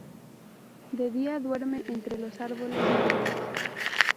De día duerme entre los árboles huecos.